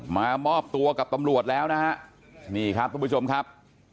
มามอบตัวกับตำรวจแล้วนะฮะนี่ครับทุกผู้ชมครับ